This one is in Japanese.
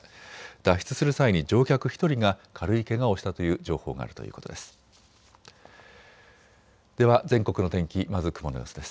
脱出する際に乗客１人が軽いけがをしたという情報があるということです。